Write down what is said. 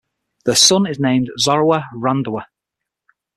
Their son is named Zorawar Randhawa.